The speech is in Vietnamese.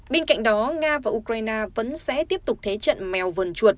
bên cạnh đó nga và ukraine vẫn sẽ tiếp tục thế trận mèo vườn chuột